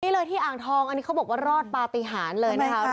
นี่เลยที่อ่างทองอันนี้เขาบอกว่ารอดปฏิหารเลยนะคะ